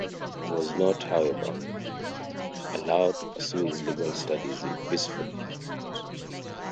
He was not, however, allowed to pursue his legal studies in peaceful retirement.